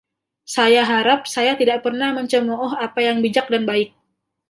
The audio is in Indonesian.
Saya harap saya tidak pernah mencemooh apa yang bijak dan baik.